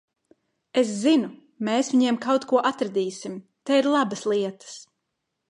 Es zinu, mēs viņiem kaut ko atradīsim. Te ir labas lietas.